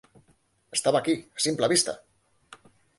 Estava aquí, a simple vista!